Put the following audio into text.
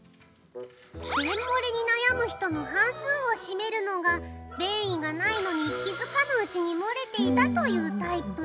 便もれに悩む人の半数を占めるのが便意がないのに気付かぬうちにもれていたというタイプ。